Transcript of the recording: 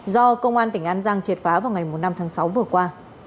do công an tỉnh an giang triệt phá vào ngày năm tháng sáu vừa qua